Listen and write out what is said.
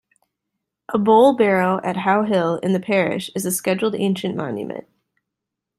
A bowl barrow at Howe Hill in the parish is a scheduled ancient monument.